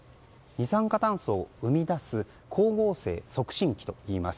二酸化炭素を生み出す光合成促進機といいます。